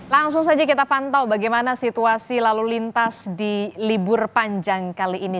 langsung saja kita pantau bagaimana situasi lalu lintas di libur panjang kali ini